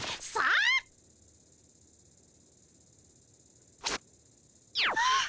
あっ。